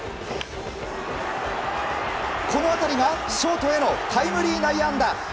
この当たりがショートへのタイムリー内野安打。